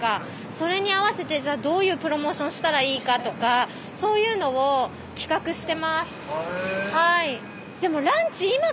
それに合わせてじゃあどういうプロモーションしたらいいかとかそういうのを企画してますはい。